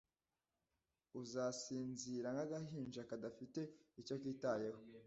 uzasinzira nk’agahinja kadafite icyo kitayeho